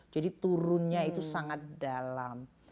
jadi turunnya itu sangat dalam